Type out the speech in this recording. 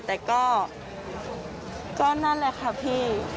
แต่ก็นั่นแหละค่ะพี่